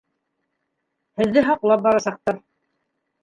Һеҙҙе һаҡлап барасаҡтар.